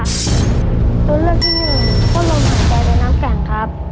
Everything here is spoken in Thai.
ตัวเลือกที่หนึ่งต้นลมหายใจในน้ำแข็งครับ